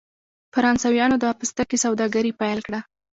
فرانسویانو د پوستکي سوداګري پیل کړه.